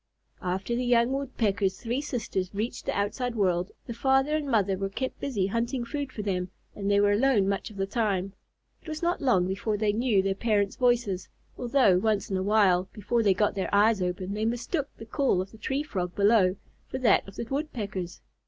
After the young Woodpecker's three sisters reached the outside world, the father and mother were kept busy hunting food for them, and they were alone much of the time. It was not long before they knew their parents' voices, although, once in a while, before they got their eyes open, they mistook the call of the Tree Frog below for that of the Woodpeckers.